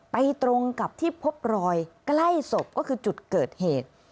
ตรงกับที่พบรอยใกล้ศพก็คือจุดเกิดเหตุ